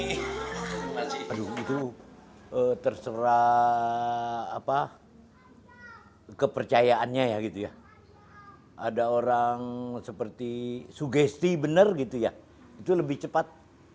aduh itu terserah kepercayaannya ya gitu ya ada orang seperti sugesti benar gitu ya itu lebih cepat